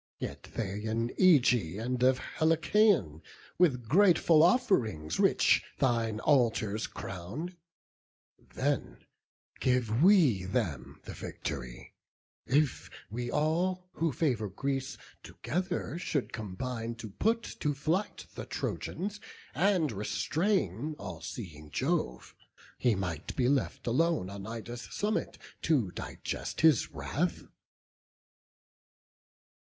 Yet they in Ægae and in Helice, With grateful off'rings rich thine altars crown; Then give we them the vict'ry; if we all Who favour Greece, together should combine To put to flight the Trojans, and restrain All seeing Jove, he might be left alone, On Ida's summit to digest his wrath."